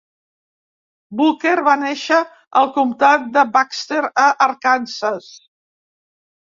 Booker va néixer al comtat de Baxter, a Arkansas.